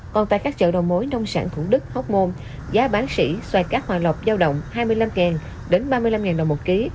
còn tại các chợ đầu mối nông sản thủ đức hóc môn giá bán sĩ xoài các hòa lọc giao động hai mươi năm ba mươi năm đồng một kg